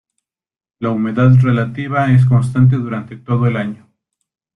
La humedad relativa es constante durante todo el año.